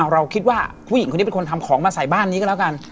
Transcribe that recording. เราคิดว่าผู้หญิงคนนี้เป็นคนทำของมาใส่บ้านนี้ก็แล้วกัน